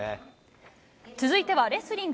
続いてはレスリング。